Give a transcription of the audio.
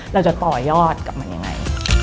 เราจะต่อยอดกับมันยังไง